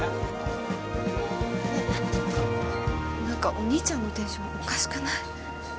何かお兄ちゃんのテンションおかしくない？